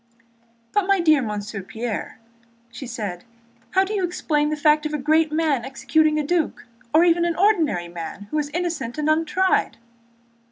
"But, my dear Monsieur Pierre," said she, "how do you explain the fact of a great man executing a duc—or even an ordinary man who—is innocent and untried?"